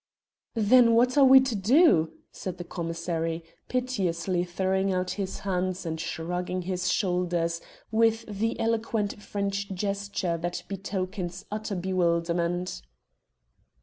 "Then what are we to do?" said the commissary, piteously throwing out his hands and shrugging his shoulders with the eloquent French gesture that betokens utter bewilderment.